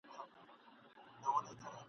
چي ماڼۍ د فرعونانو وه ولاړه ..